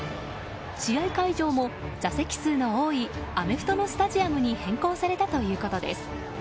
試合会場も、座席数の多いアメフトのスタジアムに変更されたということです。